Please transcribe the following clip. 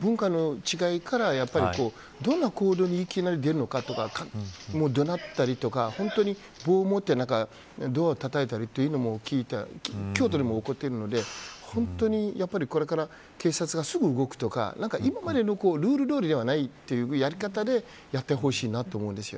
文化の違いからどんな行動にいきなり出るのかとか怒鳴ったりとか棒を持ってドアをたたいたりというのも京都でも起こっているのでこれから警察が、すぐ動くとか今までのルールどおりではないというやり方でやってほしいと思うんです。